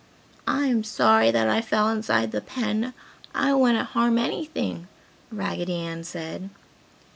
"I am sorry that I fell inside the pen, I wouldn't harm anything," Raggedy Ann said.